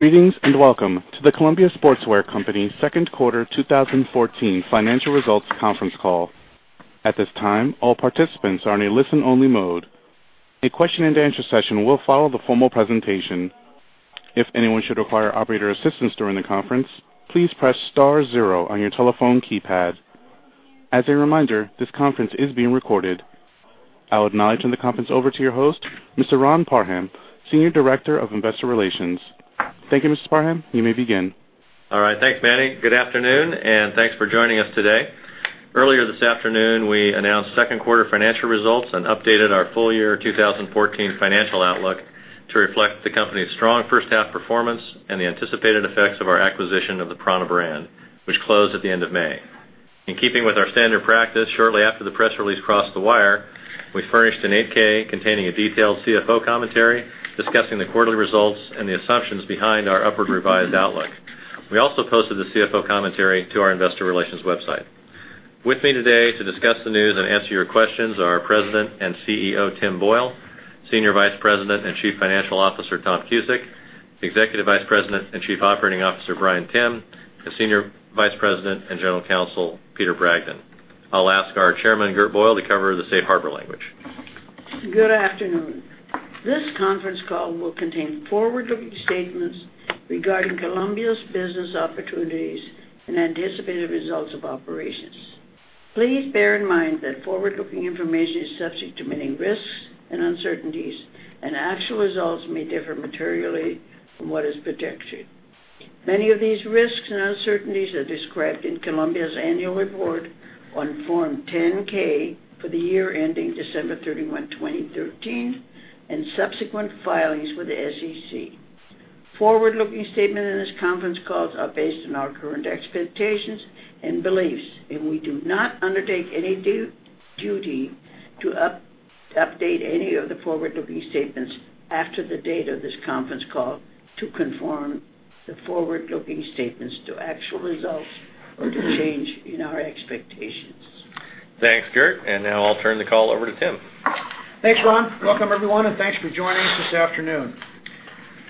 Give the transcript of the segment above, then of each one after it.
Greetings, and welcome to the Columbia Sportswear Company second quarter 2014 financial results conference call. At this time, all participants are in a listen-only mode. A question and answer session will follow the formal presentation. If anyone should require operator assistance during the conference, please press star zero on your telephone keypad. As a reminder, this conference is being recorded. I'll now turn the conference over to your host, Mr. Ron Parham, Senior Director of Investor Relations. Thank you, Mr. Parham. You may begin. All right. Thanks, Manny. Good afternoon, and thanks for joining us today. Earlier this afternoon, we announced second quarter financial results and updated our full year 2014 financial outlook to reflect the company's strong first half performance and the anticipated effects of our acquisition of the prAna brand, which closed at the end of May. In keeping with our standard practice, shortly after the press release crossed the wire, we furnished an 8-K containing a detailed CFO commentary discussing the quarterly results and the assumptions behind our upward revised outlook. We also posted the CFO commentary to our investor relations website. With me today to discuss the news and answer your questions are our President and CEO, Tim Boyle, Senior Vice President and Chief Financial Officer, Tom Cusick, Executive Vice President and Chief Operating Officer, Bryan Timm, and Senior Vice President and General Counsel, Peter Bragdon. I'll ask our chairman, Gert Boyle, to cover the safe harbor language. Good afternoon. This conference call will contain forward-looking statements regarding Columbia's business opportunities and anticipated results of operations. Please bear in mind that forward-looking information is subject to many risks and uncertainties, and actual results may differ materially from what is predicted. Many of these risks and uncertainties are described in Columbia's annual report on Form 10-K for the year ending December 31, 2013, and subsequent filings with the SEC. Forward-looking statements in this conference call are based on our current expectations and beliefs, and we do not undertake any duty to update any of the forward-looking statements after the date of this conference call to conform the forward-looking statements to actual results or to change in our expectations. Thanks, Gert, now I'll turn the call over to Tim. Thanks, Ron. Welcome everyone, thanks for joining us this afternoon.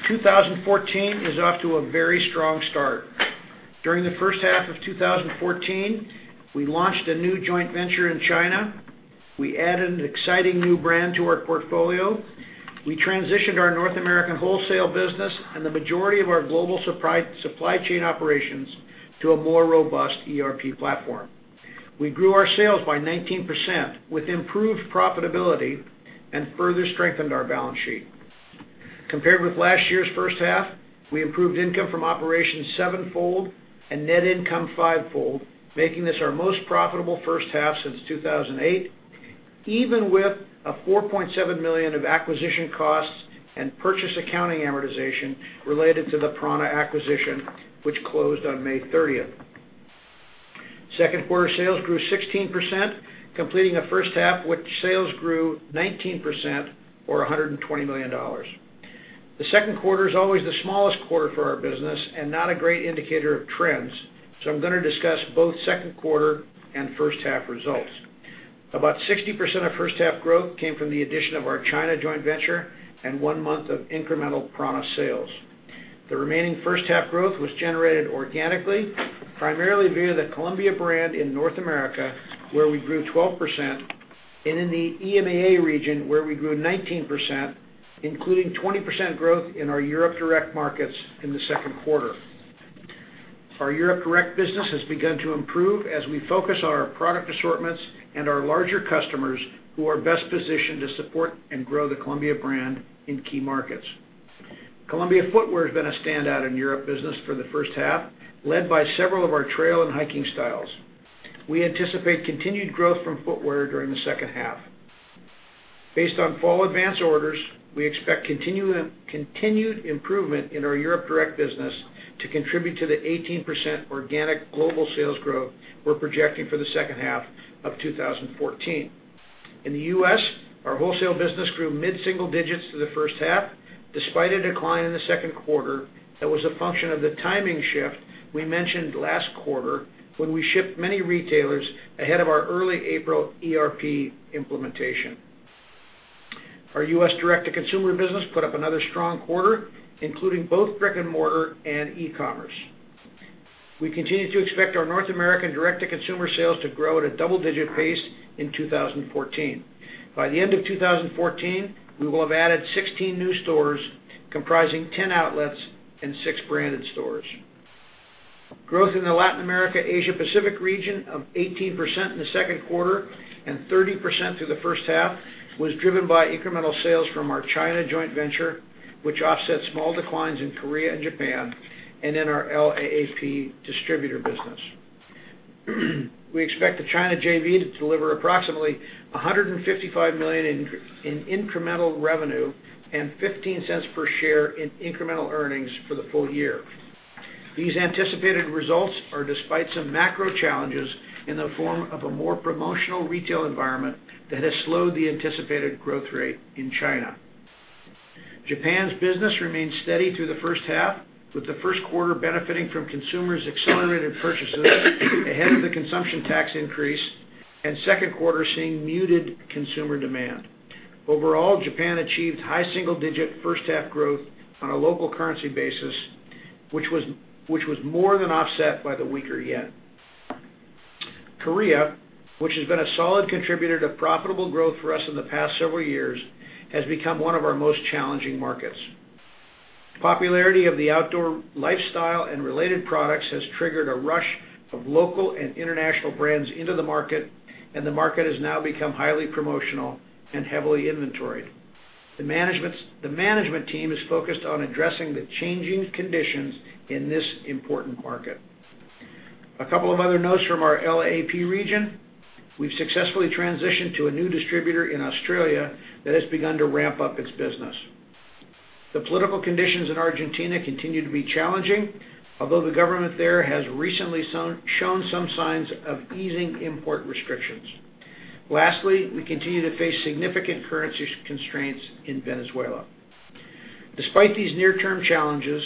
2014 is off to a very strong start. During the first half of 2014, we launched a new joint venture in China. We added an exciting new brand to our portfolio. We transitioned our North American wholesale business and the majority of our global supply chain operations to a more robust ERP platform. We grew our sales by 19% with improved profitability and further strengthened our balance sheet. Compared with last year's first half, we improved income from operations sevenfold and net income fivefold, making this our most profitable first half since 2008, even with $4.7 million of acquisition costs and purchase accounting amortization related to the prAna acquisition, which closed on May 30th. Second quarter sales grew 16%, completing the first half, which sales grew 19% or $120 million. The second quarter is always the smallest quarter for our business and not a great indicator of trends. I'm going to discuss both second quarter and first half results. About 60% of first half growth came from the addition of our China joint venture and one month of incremental prAna sales. The remaining first half growth was generated organically, primarily via the Columbia brand in North America, where we grew 12%, and in the EMEA region, where we grew 19%, including 20% growth in our Europe direct markets in the second quarter. Our Europe direct business has begun to improve as we focus on our product assortments and our larger customers who are best positioned to support and grow the Columbia brand in key markets. Columbia footwear has been a standout in Europe business for the first half, led by several of our trail and hiking styles. We anticipate continued growth from footwear during the second half. Based on fall advance orders, we expect continued improvement in our Europe direct business to contribute to the 18% organic global sales growth we're projecting for the second half of 2014. In the U.S., our wholesale business grew mid-single digits through the first half, despite a decline in the second quarter that was a function of the timing shift we mentioned last quarter, when we shipped many retailers ahead of our early April ERP implementation. Our U.S. direct-to-consumer business put up another strong quarter, including both brick and mortar and e-commerce. We continue to expect our North American direct-to-consumer sales to grow at a double-digit pace in 2014. By the end of 2014, we will have added 16 new stores comprising 10 outlets and six branded stores. Growth in the Latin America, Asia Pacific region of 18% in the second quarter and 30% through the first half was driven by incremental sales from our China joint venture, which offset small declines in Korea and Japan and in our LAAP distributor business. We expect the China JV to deliver approximately $155 million in incremental revenue and $0.15 per share in incremental earnings for the full year. These anticipated results are despite some macro challenges in the form of a more promotional retail environment that has slowed the anticipated growth rate in China. Japan's business remained steady through the first half, with the first quarter benefiting from consumers' accelerated purchases ahead of the consumption tax increase, and second quarter seeing muted consumer demand. Overall, Japan achieved high single-digit first half growth on a local currency basis, which was more than offset by the weaker yen. Korea, which has been a solid contributor to profitable growth for us in the past several years, has become one of our most challenging markets. Popularity of the outdoor lifestyle and related products has triggered a rush of local and international brands into the market, and the market has now become highly promotional and heavily inventoried. The management team is focused on addressing the changing conditions in this important market. A couple of other notes from our LAAP region. We've successfully transitioned to a new distributor in Australia that has begun to ramp up its business. The political conditions in Argentina continue to be challenging, although the government there has recently shown some signs of easing import restrictions. Lastly, we continue to face significant currency constraints in Venezuela. Despite these near-term challenges,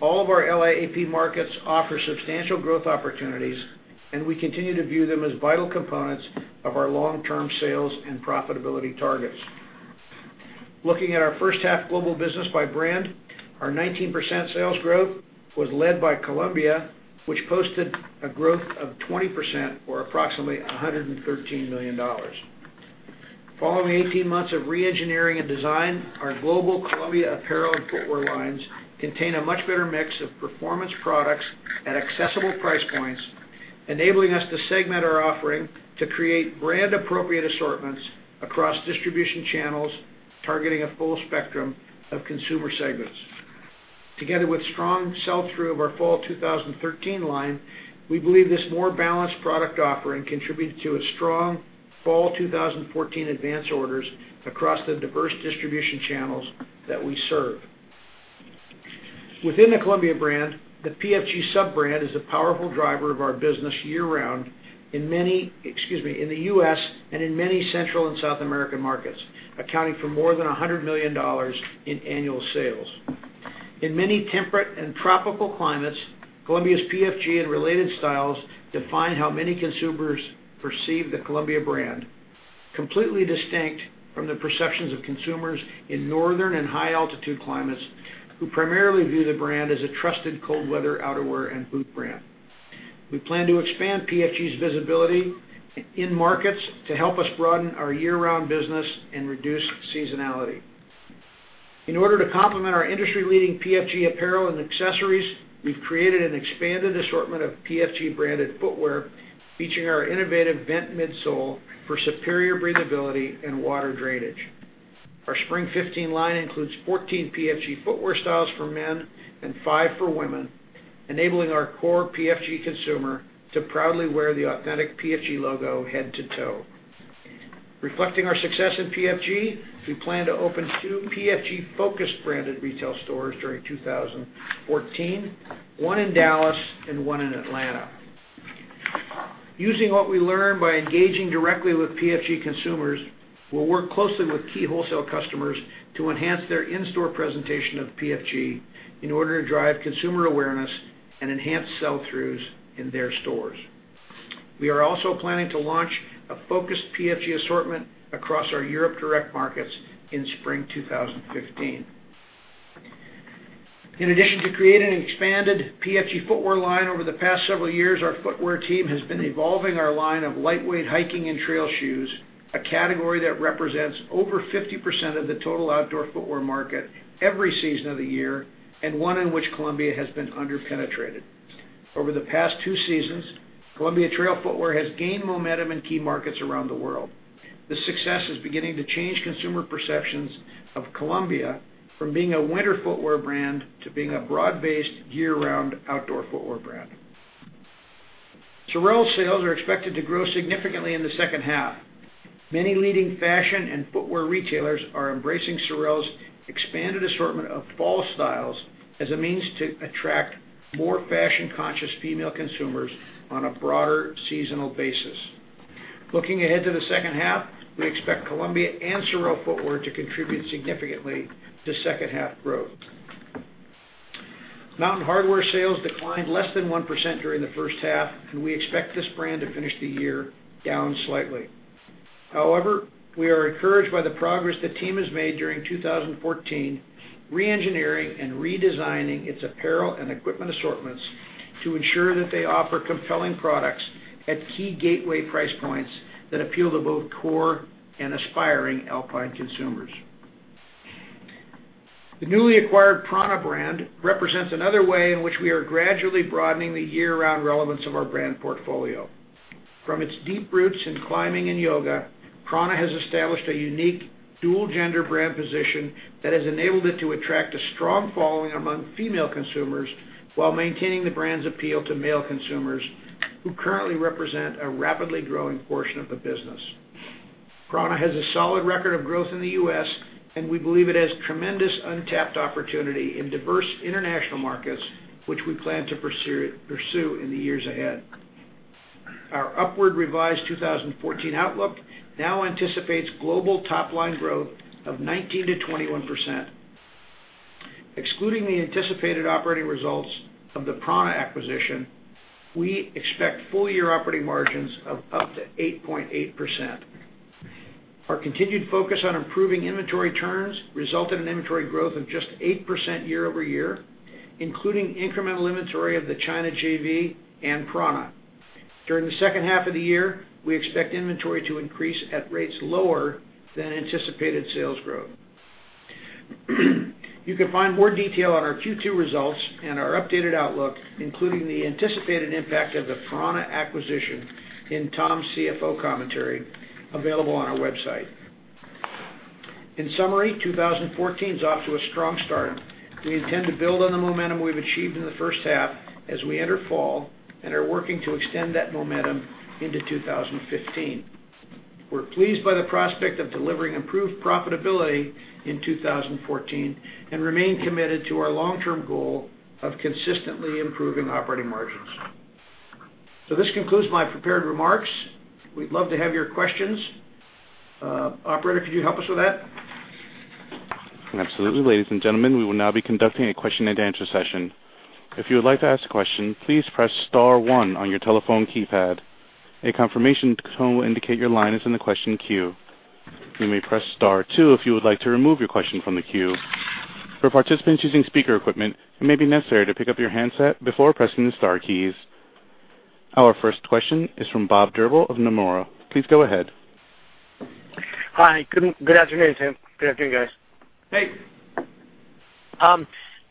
all of our LAAP markets offer substantial growth opportunities, and we continue to view them as vital components of our long-term sales and profitability targets. Looking at our first half global business by brand, our 19% sales growth was led by Columbia, which posted a growth of 20%, or approximately $113 million. Following 18 months of re-engineering and design, our global Columbia apparel and footwear lines contain a much better mix of performance products at accessible price points, enabling us to segment our offering to create brand-appropriate assortments across distribution channels, targeting a full spectrum of consumer segments. Together with strong sell-through of our fall 2013 line, we believe this more balanced product offering contributed to a strong fall 2014 advance orders across the diverse distribution channels that we serve. Within the Columbia brand, the PFG sub-brand is a powerful driver of our business year-round in the U.S. and in many Central and South American markets, accounting for more than $100 million in annual sales. In many temperate and tropical climates, Columbia's PFG and related styles define how many consumers perceive the Columbia brand, completely distinct from the perceptions of consumers in northern and high-altitude climates who primarily view the brand as a trusted cold weather outerwear and boot brand. We plan to expand PFG's visibility in markets to help us broaden our year-round business and reduce seasonality. In order to complement our industry-leading PFG apparel and accessories, we've created an expanded assortment of PFG branded footwear featuring our innovative vent midsole for superior breathability and water drainage. Our spring 2015 line includes 14 PFG footwear styles for men and five for women, enabling our core PFG consumer to proudly wear the authentic PFG logo head to toe. Reflecting our success in PFG, we plan to open two PFG focus-branded retail stores during 2014, one in Dallas and one in Atlanta. Using what we learn by engaging directly with PFG consumers, we will work closely with key wholesale customers to enhance their in-store presentation of PFG in order to drive consumer awareness and enhance sell-throughs in their stores. We are also planning to launch a focused PFG assortment across our Europe direct markets in spring 2015. In addition to creating an expanded PFG footwear line over the past several years, our footwear team has been evolving our line of lightweight hiking and trail shoes, a category that represents over 50% of the total outdoor footwear market every season of the year, and one in which Columbia has been under-penetrated. Over the past two seasons, Columbia Trail footwear has gained momentum in key markets around the world. This success is beginning to change consumer perceptions of Columbia from being a winter footwear brand to being a broad-based, year-round outdoor footwear brand. SOREL sales are expected to grow significantly in the second half. Many leading fashion and footwear retailers are embracing SOREL's expanded assortment of fall styles as a means to attract more fashion-conscious female consumers on a broader seasonal basis. Looking ahead to the second half, we expect Columbia and SOREL footwear to contribute significantly to second half growth. Mountain Hardwear sales declined less than 1% during the first half, and we expect this brand to finish the year down slightly. However, we are encouraged by the progress the team has made during 2014, re-engineering and redesigning its apparel and equipment assortments to ensure that they offer compelling products at key gateway price points that appeal to both core and aspiring alpine consumers. The newly acquired prAna brand represents another way in which we are gradually broadening the year-round relevance of our brand portfolio. From its deep roots in climbing and yoga, prAna has established a unique dual-gender brand position that has enabled it to attract a strong following among female consumers while maintaining the brand's appeal to male consumers who currently represent a rapidly growing portion of the business. prAna has a solid record of growth in the U.S., and we believe it has tremendous untapped opportunity in diverse international markets, which we plan to pursue in the years ahead. Our upward revised 2014 outlook now anticipates global top-line growth of 19%-21%. Excluding the anticipated operating results of the prAna acquisition, we expect full-year operating margins of up to 8.8%. Our continued focus on improving inventory turns resulted in inventory growth of just 8% year-over-year, including incremental inventory of the China JV and prAna. During the second half of the year, we expect inventory to increase at rates lower than anticipated sales growth. You can find more detail on our Q2 results and our updated outlook, including the anticipated impact of the prAna acquisition, in Tom's CFO commentary available on our website. In summary, 2014 is off to a strong start. We intend to build on the momentum we've achieved in the first half as we enter fall and are working to extend that momentum into 2015. We're pleased by the prospect of delivering improved profitability in 2014 and remain committed to our long-term goal of consistently improving operating margins. This concludes my prepared remarks. We'd love to have your questions. Operator, could you help us with that? Absolutely. Ladies and gentlemen, we will now be conducting a question-and-answer session. If you would like to ask a question, please press *1 on your telephone keypad. A confirmation tone will indicate your line is in the question queue. You may press *2 if you would like to remove your question from the queue. For participants using speaker equipment, it may be necessary to pick up your handset before pressing the star keys. Our first question is from Bob Drbul of Nomura. Please go ahead. Hi. Good afternoon, Tim. Good afternoon, guys. Hey.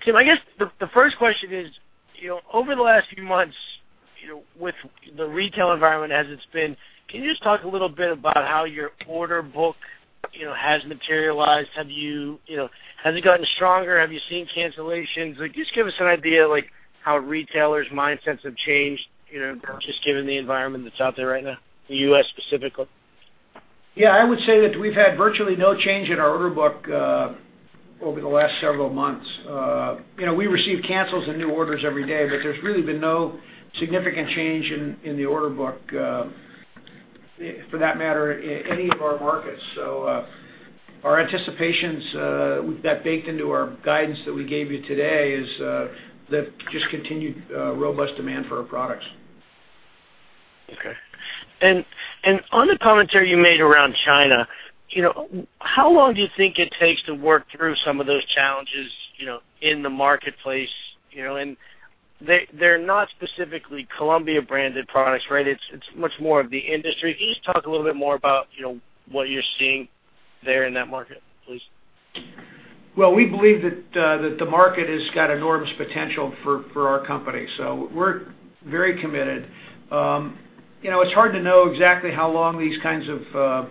Tim, I guess the first question is, over the last few months, with the retail environment as it's been, can you just talk a little bit about how your order book has materialized? Has it gotten stronger? Have you seen cancellations? Just give us an idea, like how retailers' mindsets have changed, just given the environment that's out there right now, the U.S. specifically. Yeah. I would say that we've had virtually no change in our order book over the last several months. We receive cancels and new orders every day, but there's really been no significant change in the order book, for that matter, in any of our markets. Our anticipations that baked into our guidance that we gave you today is that just continued robust demand for our products. Okay. On the commentary you made around China, how long do you think it takes to work through some of those challenges in the marketplace? They're not specifically Columbia-branded products, right? It's much more of the industry. Can you just talk a little bit more about what you're seeing there in that market, please? Well, we believe that the market has got enormous potential for our company, we're very committed. It's hard to know exactly how long these kinds of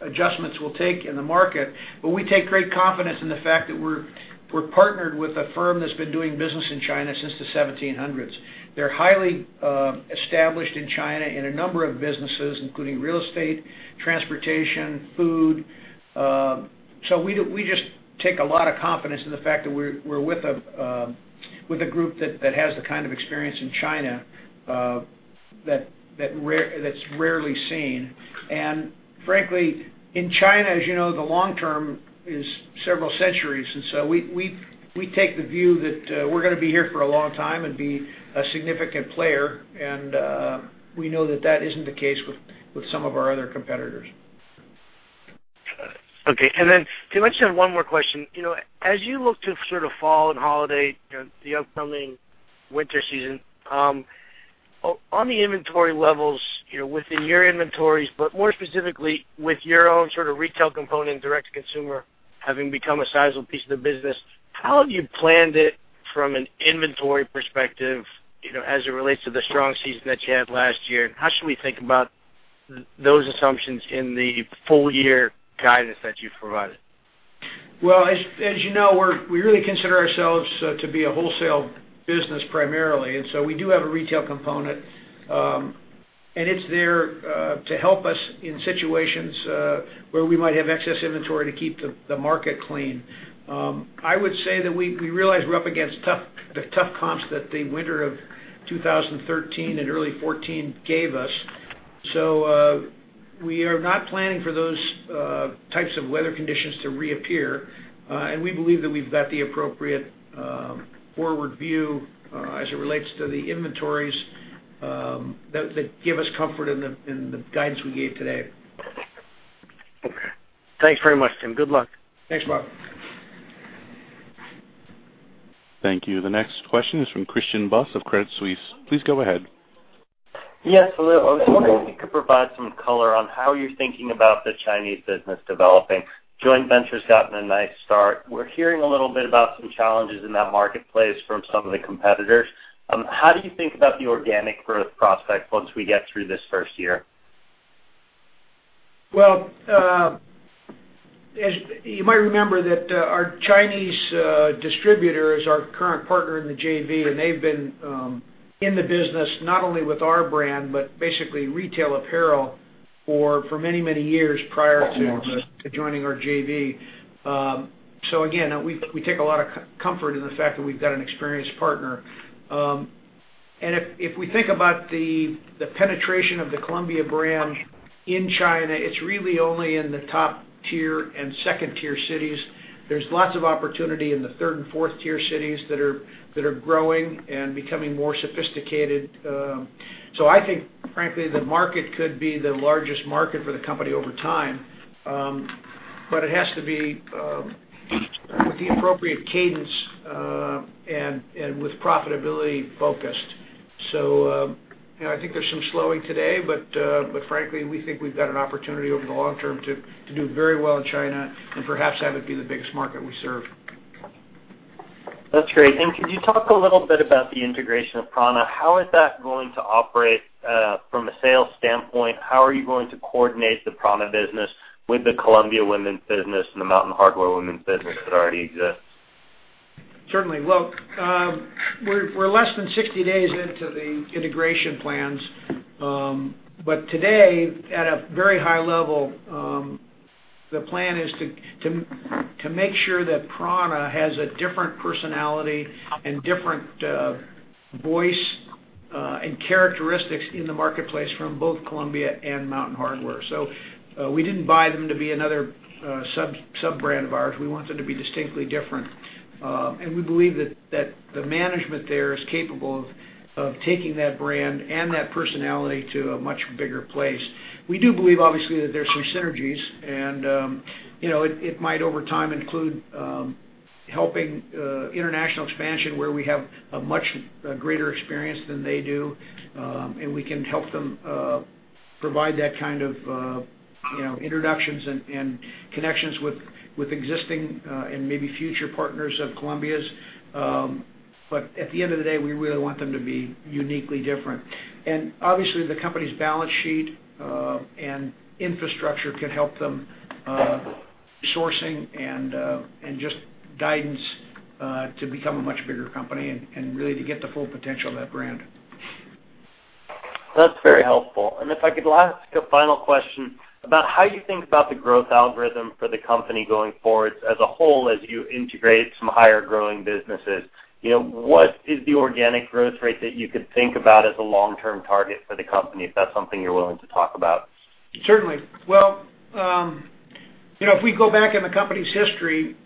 adjustments will take in the market. We take great confidence in the fact that we're partnered with a firm that's been doing business in China since the 1700s. They're highly established in China in a number of businesses, including real estate, transportation, food. We just take a lot of confidence in the fact that we're with a group that has the kind of experience in China that's rarely seen. Frankly, in China, as you know, the long term is several centuries. We take the view that we're going to be here for a long time and be a significant player, and we know that that isn't the case with some of our other competitors. Got it. Okay. Tim, I just have one more question. As you look to sort of fall and holiday, the upcoming winter season, on the inventory levels within your inventories, but more specifically with your own sort of retail component, direct-to-consumer, having become a sizable piece of the business, how have you planned it from an inventory perspective as it relates to the strong season that you had last year? How should we think about those assumptions in the full-year guidance that you've provided? Well, as you know, we really consider ourselves to be a wholesale business primarily, we do have a retail component. It's there to help us in situations where we might have excess inventory to keep the market clean. I would say that we realize we're up against the tough comps that the winter of 2013 and early 2014 gave us. We are not planning for those types of weather conditions to reappear. We believe that we've got the appropriate forward view as it relates to the inventories that give us comfort in the guidance we gave today. Okay. Thanks very much, Tim. Good luck. Thanks, Bob. Thank you. The next question is from Christian Buss of Credit Suisse. Please go ahead. Yes. I was wondering if you could provide some color on how you're thinking about the Chinese business developing. Joint venture's gotten a nice start. We're hearing a little bit about some challenges in that marketplace from some of the competitors. How do you think about the organic growth prospect once we get through this first year? Well, as you might remember that our Chinese distributor is our current partner in the JV, and they've been in the business not only with our brand, but basically retail apparel for many, many years prior to joining our JV. Again, we take a lot of comfort in the fact that we've got an experienced partner. If we think about the penetration of the Columbia brand in China, it's really only in the top tier and 2nd-tier cities. There's lots of opportunity in the 3rd and 4th-tier cities that are growing and becoming more sophisticated. I think, frankly, the market could be the largest market for the company over time. It has to be with the appropriate cadence, and with profitability focused. I think there's some slowing today, frankly, we think we've got an opportunity over the long term to do very well in China, and perhaps have it be the biggest market we serve. That's great. Could you talk a little bit about the integration of prAna? How is that going to operate, from a sales standpoint? How are you going to coordinate the prAna business with the Columbia women's business and the Mountain Hardwear women's business that already exists? Certainly. Look, we're less than 60 days into the integration plans. Today, at a very high level, the plan is to make sure that prAna has a different personality and different voice, and characteristics in the marketplace from both Columbia and Mountain Hardwear. We didn't buy them to be another sub-brand of ours. We want them to be distinctly different. We believe that the management there is capable of taking that brand and that personality to a much bigger place. We do believe, obviously, that there's some synergies and it might, over time, include helping international expansion where we have a much greater experience than they do. We can help them provide that kind of introductions and connections with existing and maybe future partners of Columbia's. At the end of the day, we really want them to be uniquely different. Obviously, the company's balance sheet, and infrastructure can help them, sourcing and just guidance, to become a much bigger company and really to get the full potential of that brand. That's very helpful. If I could last a final question about how you think about the growth algorithm for the company going forward as a whole, as you integrate some higher-growing businesses. What is the organic growth rate that you could think about as a long-term target for the company, if that's something you're willing to talk about? Certainly. Well, if we go back in the company's history,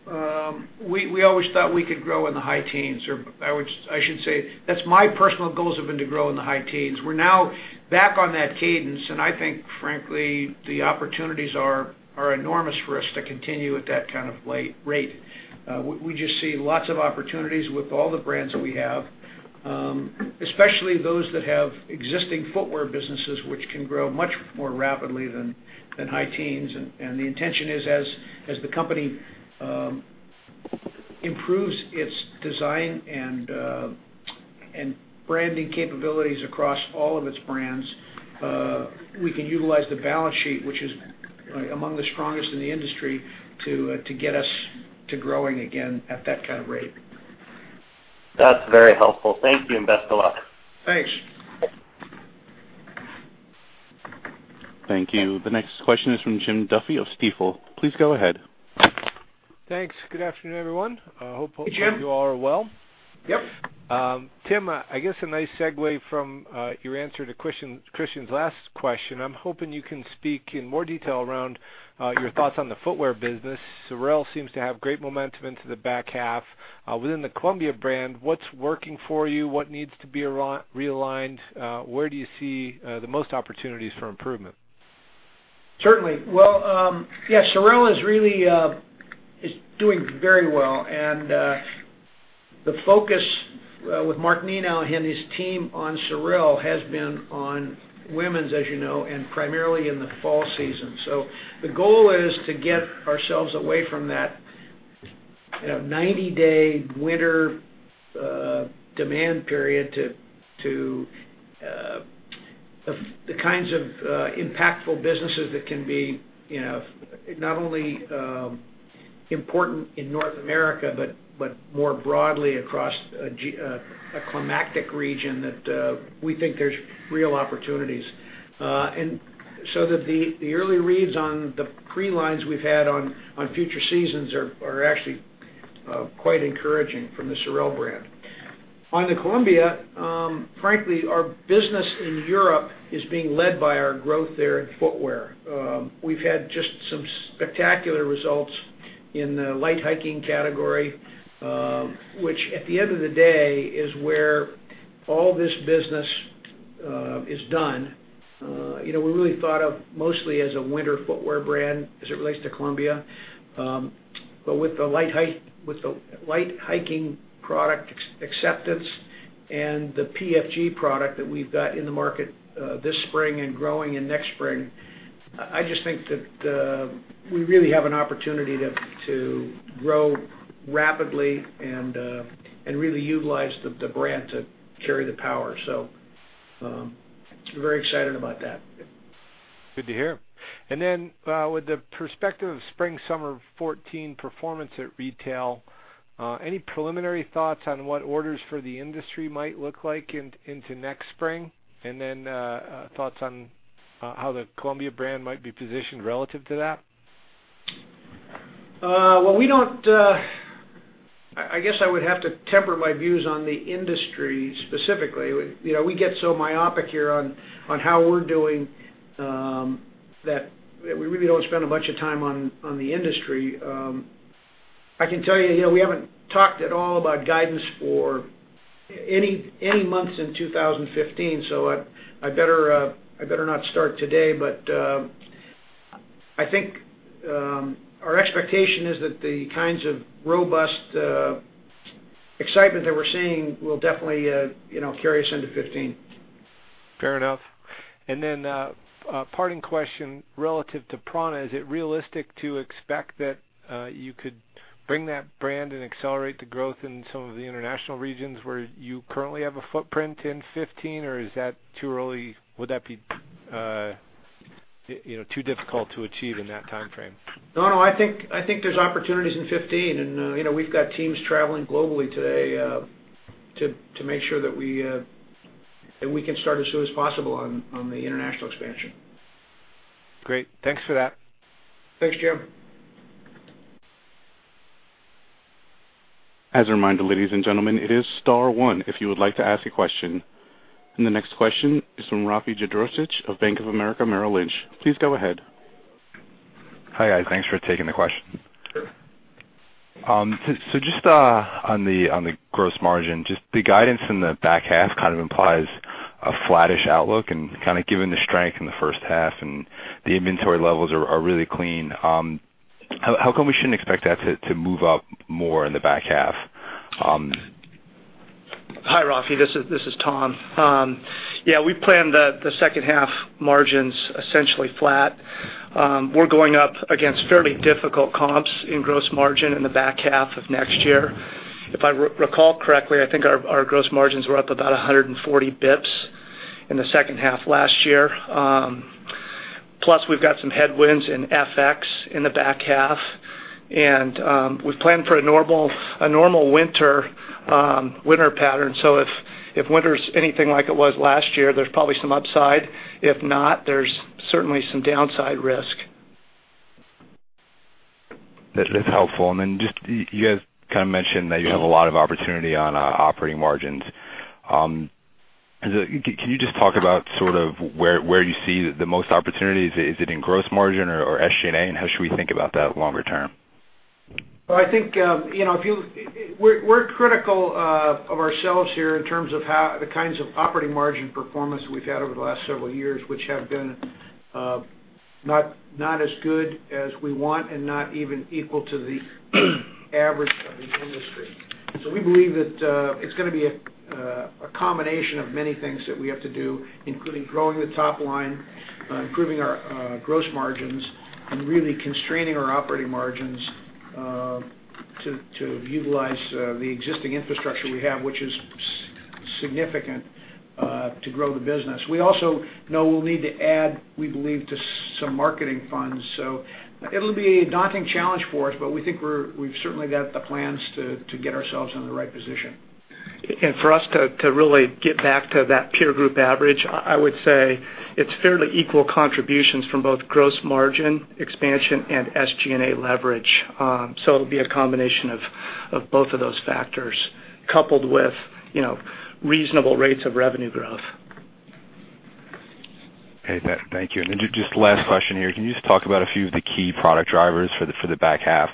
we always thought we could grow in the high teens, or I should say, that's my personal goals have been to grow in the high teens. We're now back on that cadence, and I think, frankly, the opportunities are enormous for us to continue at that kind of rate. We just see lots of opportunities with all the brands that we have, especially those that have existing footwear businesses, which can grow much more rapidly than high teens. The intention is, as the company improves its design and branding capabilities across all of its brands, we can utilize the balance sheet, which is among the strongest in the industry, to get us to growing again at that kind of rate. That's very helpful. Thank you, and best of luck. Thanks. Thank you. The next question is from Jim Duffy of Stifel. Please go ahead. Thanks. Good afternoon, everyone. Hey, Jim You all are well. Yep. Tim, I guess a nice segue from your answer to Christian's last question. I'm hoping you can speak in more detail around your thoughts on the footwear business. SOREL seems to have great momentum into the back half. Within the Columbia brand, what's working for you? What needs to be realigned? Where do you see the most opportunities for improvement? Certainly. Well, yes, SOREL is really doing very well. The focus with Mark Nenow and his team on SOREL has been on women's, as you know, and primarily in the fall season. The goal is to get ourselves away from that 90-day winter demand period to the kinds of impactful businesses that can be not only important in North America, but more broadly across a climactic region that we think there's real opportunities. The early reads on the pre-lines we've had on future seasons are actually quite encouraging from the SOREL brand. On the Columbia, frankly, our business in Europe is being led by our growth there in footwear. We've had just some spectacular results in the light hiking category, which at the end of the day, is where all this business is done. We're really thought of mostly as a winter footwear brand as it relates to Columbia. With the light hiking product acceptance and the PFG product that we've got in the market this spring and growing in next spring, I just think that we really have an opportunity to grow rapidly and really utilize the brand to carry the power. Very excited about that. Good to hear. With the perspective of spring/summer 2014 performance at retail, any preliminary thoughts on what orders for the industry might look like into next spring? Thoughts on how the Columbia brand might be positioned relative to that? Well, I guess I would have to temper my views on the industry specifically. We get so myopic here on how we're doing that we really don't spend a bunch of time on the industry. I can tell you, we haven't talked at all about guidance for any months in 2015, so I better not start today. I think our expectation is that the kinds of robust excitement that we're seeing will definitely carry us into 2015. Fair enough. Parting question relative to prAna, is it realistic to expect that you could bring that brand and accelerate the growth in some of the international regions where you currently have a footprint in 2015, or is that too early? Would that be too difficult to achieve in that timeframe? No, I think there's opportunities in 2015, and we've got teams traveling globally today to make sure that we can start as soon as possible on the international expansion. Great. Thanks for that. Thanks, Jim. As a reminder, ladies and gentlemen, it is star one if you would like to ask a question. The next question is from Rafe Jadrosich of Bank of America Merrill Lynch. Please go ahead. Hi. Thanks for taking the question. Sure. On the gross margin, just the guidance in the back half kind of implies a flattish outlook and kind of given the strength in the first half and the inventory levels are really clean. How come we shouldn't expect that to move up more in the back half? Hi, Rafe. This is Tom. Yeah, we planned the second half margins essentially flat. We're going up against fairly difficult comps in gross margin in the back half of next year. If I recall correctly, I think our gross margins were up about 140 basis points in the second half last year. Plus, we've got some headwinds in FX in the back half, and we've planned for a normal winter pattern. If winter's anything like it was last year, there's probably some upside. If not, there's certainly some downside risk. That's helpful. Then, you guys kind of mentioned that you have a lot of opportunity on operating margins. Can you just talk about sort of where you see the most opportunities? Is it in gross margin or SG&A, and how should we think about that longer term? Well, I think we're critical of ourselves here in terms of the kinds of operating margin performance we've had over the last several years, which have been not as good as we want and not even equal to the average of the industry. We believe that it's going to be a combination of many things that we have to do, including growing the top line, improving our gross margins, and really constraining our operating margins to utilize the existing infrastructure we have, which is significant to grow the business. We also know we'll need to add, we believe, to some marketing funds. It'll be a daunting challenge for us, but we think we've certainly got the plans to get ourselves in the right position. For us to really get back to that peer group average, I would say it's fairly equal contributions from both gross margin expansion and SG&A leverage. It'll be a combination of both of those factors coupled with reasonable rates of revenue growth. Okay. Thank you. Just last question here. Can you just talk about a few of the key product drivers for the back half?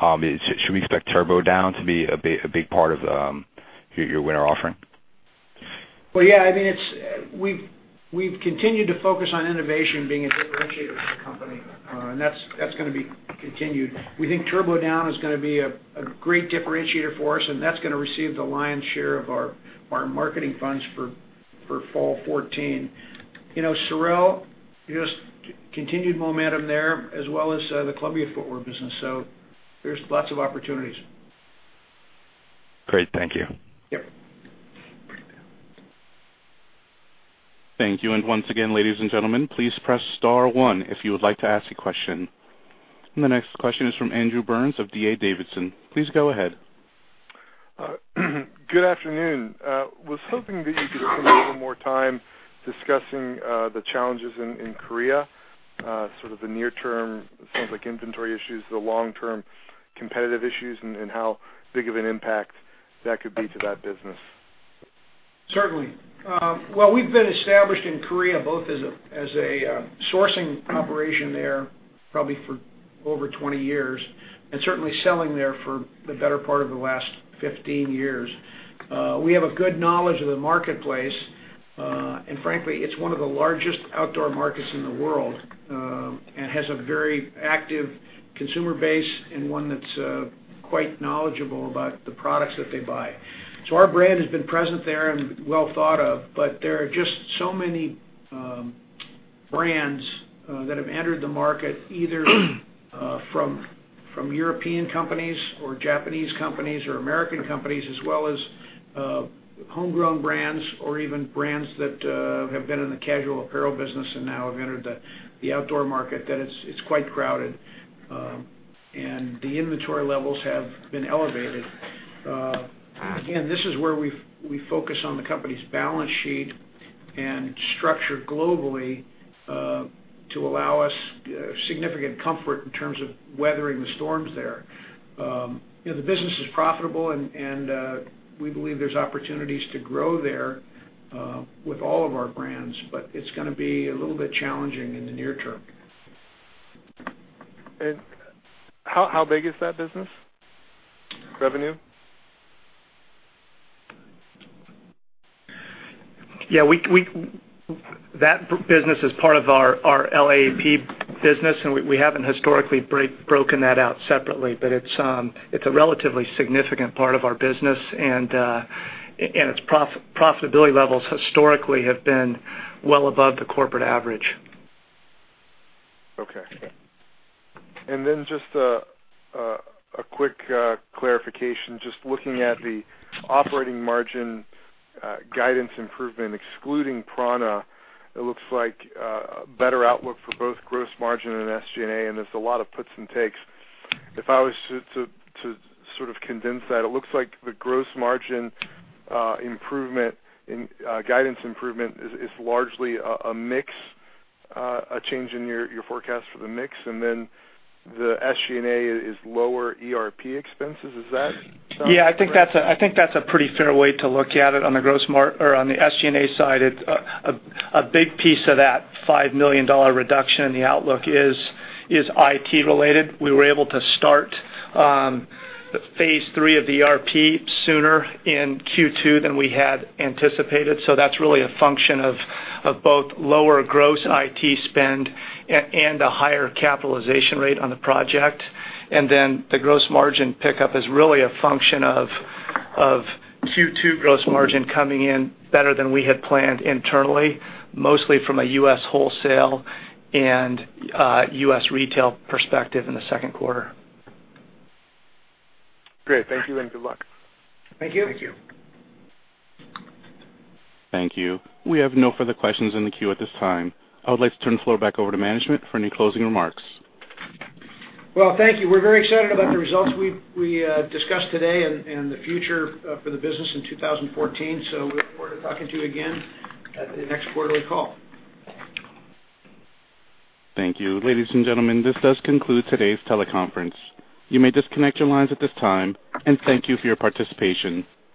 Should we expect TurboDown to be a big part of your winter offering? Well, yeah, we've continued to focus on innovation being a differentiator for the company. That's going to be continued. We think TurboDown is going to be a great differentiator for us, and that's going to receive the lion's share of our marketing funds for fall 2014. SOREL, just continued momentum there, as well as the Columbia Footwear business. There's lots of opportunities. Great. Thank you. Yep. Thank you. Once again, ladies and gentlemen, please press star one if you would like to ask a question. The next question is from Andrew Burns of D.A. Davidson. Please go ahead. Good afternoon. I was hoping that you could spend a little more time discussing the challenges in Korea, sort of the near term, sounds like inventory issues, the long-term competitive issues, and how big of an impact that could be to that business. Certainly. We've been established in Korea both as a sourcing operation there probably for over 20 years and certainly selling there for the better part of the last 15 years. We have a good knowledge of the marketplace. Frankly, it's one of the largest outdoor markets in the world, and has a very active consumer base and one that's quite knowledgeable about the products that they buy. Our brand has been present there and well thought of, but there are just so many brands that have entered the market, either from European companies or Japanese companies or American companies, as well as homegrown brands or even brands that have been in the casual apparel business and now have entered the outdoor market, that it's quite crowded. The inventory levels have been elevated. Again, this is where we focus on the company's balance sheet. Structured globally to allow us significant comfort in terms of weathering the storms there. The business is profitable, and we believe there's opportunities to grow there with all of our brands, but it's going to be a little bit challenging in the near term. How big is that business? Revenue? Yeah. That business is part of our LAAP business, and we haven't historically broken that out separately. It's a relatively significant part of our business, and its profitability levels historically have been well above the corporate average. Okay. Then just a quick clarification, just looking at the operating margin guidance improvement, excluding prAna, it looks like a better outlook for both gross margin and SG&A, and there's a lot of puts and takes. If I was to sort of condense that, it looks like the gross margin improvement in guidance improvement is largely a mix, a change in your forecast for the mix, and then the SG&A is lower ERP expenses. Is that correct? Yeah, I think that's a pretty fair way to look at it on the SG&A side. A big piece of that $5 million reduction in the outlook is IT related. We were able to start phase 3 of the ERP sooner in Q2 than we had anticipated. That's really a function of both lower gross IT spend and a higher capitalization rate on the project. Then the gross margin pickup is really a function of Q2 gross margin coming in better than we had planned internally, mostly from a U.S. wholesale and U.S. retail perspective in the second quarter. Great. Thank you, and good luck. Thank you. Thank you. Thank you. We have no further questions in the queue at this time. I would like to turn the floor back over to management for any closing remarks. Well, thank you. We're very excited about the results we discussed today and the future for the business in 2014. We look forward to talking to you again at the next quarterly call. Thank you. Ladies and gentlemen, this does conclude today's teleconference. You may disconnect your lines at this time, and thank you for your participation.